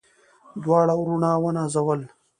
دواړه وروڼه ونازول.